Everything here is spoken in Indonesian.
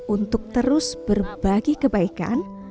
untuk terus berbagi kebaikan